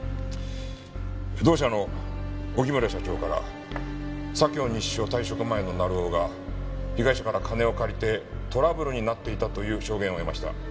同社の荻村社長から左京西署退職前の成尾が被害者から金を借りてトラブルになっていたという証言を得ました。